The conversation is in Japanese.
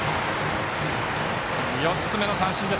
４つ目の三振です。